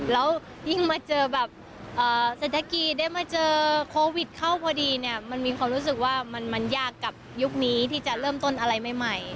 แล้วยิ่งมาเจอแบบเศรษฐกิจได้มาเจอโควิดเข้าพอดีเนี่ยมันมีความรู้สึกว่ามันยากกับยุคนี้ที่จะเริ่มต้นอะไรใหม่